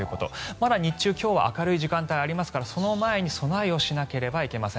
まだ日中、今日は明るい時間帯がありますからその前に備えをしなければいけません。